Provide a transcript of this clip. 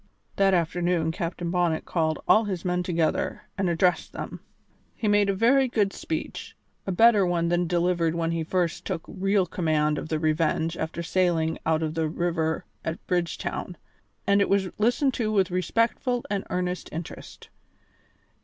That afternoon Captain Bonnet called all his men together and addressed them. He made a very good speech, a better one than that delivered when he first took real command of the Revenge after sailing out of the river at Bridgetown, and it was listened to with respectful and earnest interest.